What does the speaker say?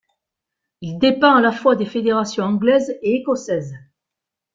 Il dépend à la fois des fédérations anglaise et écossaise.